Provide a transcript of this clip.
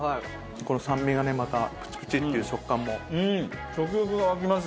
この酸味がねまたプチプチっていう食感も。